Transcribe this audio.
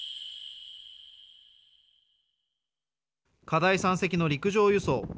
課題山積の陸上輸送。